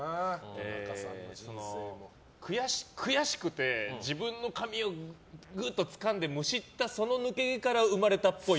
悔しくて自分の髪をぐーっとつかんでむしったその抜け毛から生まれたっぽい。